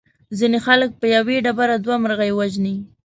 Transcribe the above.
ځینې خلک په یوې ډبرې دوه مرغۍ وژني.